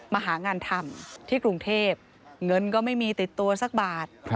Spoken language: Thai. มาหางานทำที่กรุงเทพเงินก็ไม่มีติดตัวสักบาท